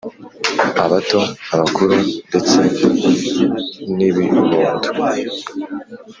Abato abakuru ndetse n’ibibondo